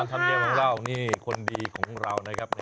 ตามสำเรียนของเราคนดีของเรานะครับ